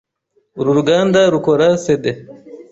Uru ruganda rukora CD.